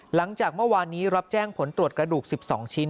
หลังจากเมื่อวานนี้รับแจ้งผลตรวจกระดูก๑๒ชิ้น